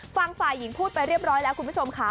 ฟังฝ่ายหญิงพูดไปเรียบร้อยแล้วคุณผู้ชมค่ะ